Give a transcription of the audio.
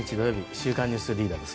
「週刊ニュースリーダー」です。